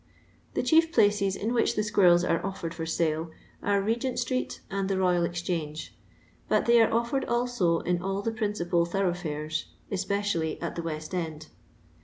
The chief placet in which tquirrelt are offered for tale, are Begent ttreet and the Royal Exchange, but they are offered alto in all the principal thoroughforei — etpecially at the Wett End.